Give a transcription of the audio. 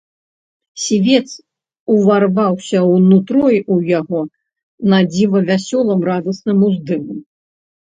Сівец уварваўся ў нутро ў яго надзіва вясёлым, радасным уздымам.